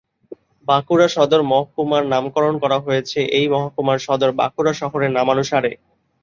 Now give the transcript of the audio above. বাঁকুড়া সদর মহকুমার নামকরণ করা হয়েছে এই মহকুমার সদর বাঁকুড়া শহরের নামানুসারে।